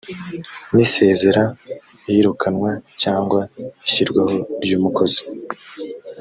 n isezera iyirukanwa cyangwa ishyirwaho ryumukozi